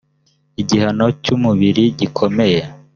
igihano cy’ umubiri gikomeye